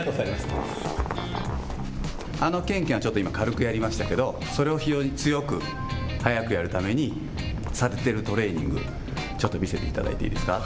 あのけんけんは、ちょっと今、軽くやりましたけど、それを非常に強く速くやるためにされてるトレーニング、ちょっと見せていただいていいですか？